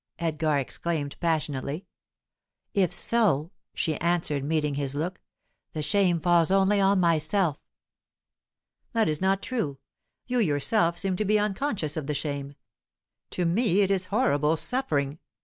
Elgar exclaimed passionately. "If so," she answered, meeting his look, "the shame falls only on myself." "That is not true! You yourself seem to be unconscious of the shame; to me it is horrible suffering.